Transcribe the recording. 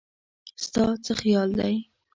ستا څه خيال دی